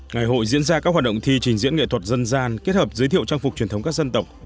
ngày hội diễn ra các hoạt động thi trình diễn nghệ thuật dân gian kết hợp giới thiệu trang phục truyền thống các dân tộc